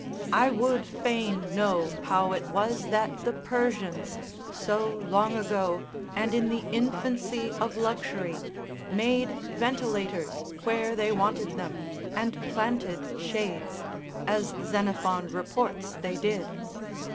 I would fain know how it was that the Persians, so long ago and in the infancy of luxury, made ventilators where they wanted them, and planted shades, as Xenophon reports they did.